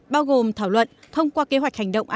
bao gồm thảo luận thông qua kế hoạch hành động